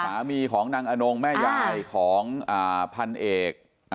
สามีของนางอนงแม่ยายของพันเอก